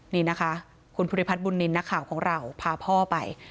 นี่นะคะคุณภูริพัฒนบุญนินทร์นักข่าวของเราพาพ่อไป